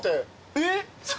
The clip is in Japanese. えっ！